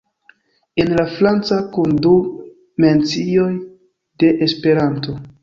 En la franca kun du mencioj de Esperanto.